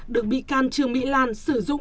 được bị can trường mỹ lan sử dụng